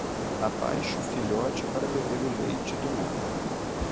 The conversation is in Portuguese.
Abaixe o filhote para beber o leite do nada.